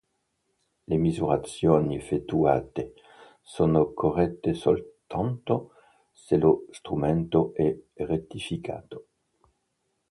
Le misurazioni effettuate sono corrette soltanto se lo strumento è rettificato.